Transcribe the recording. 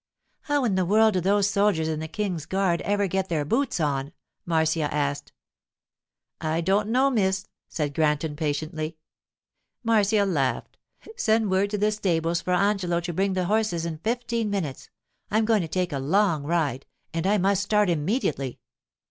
'How in the world do those soldiers in the King's guard ever get their boots on?' Marcia asked. 'I don't know, miss,' said Granton, patiently. Marcia laughed. 'Send word to the stables for Angelo to bring the horses in fifteen minutes. I'm going to take a long ride, and I must start immediately.